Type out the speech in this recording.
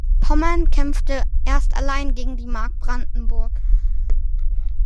Pommern kämpfte erst allein gegen die Mark Brandenburg.